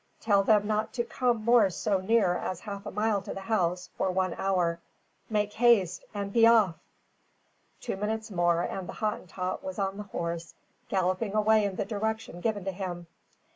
Tell them not to come more so near as half a mile to the house for one hour. Make haste an' pe off!" Two minutes more and the Hottentot was on the horse, galloping away in the direction given to him.